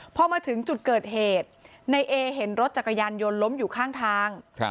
พอมาถึงจุดเกิดเหตุในเอเห็นรถจักรยานยนต์ล้มอยู่ข้างทาง